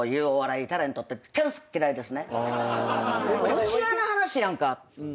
内輪の話やんか。